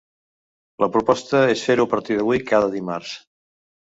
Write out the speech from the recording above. La proposta és fer-ho, a partir d’avui, cada dimarts.